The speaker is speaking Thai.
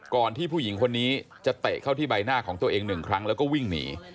ที่ผู้หญิงคนนี้จะเตะเข้าที่ใบหน้าของตัวเองหนึ่งครั้งแล้วก็วิ่งหนี